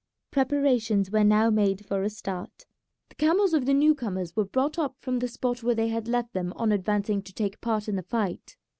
Preparations were now made for a start. The camels of the new comers were brought up from the spot where they had left them on advancing to take part in the fight.